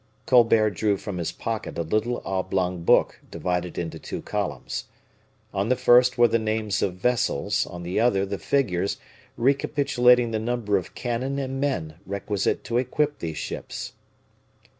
Colbert drew from his pocket a little oblong book divided into two columns. On the first were the names of vessels, on the other the figures recapitulating the number of cannon and men requisite to equip these ships.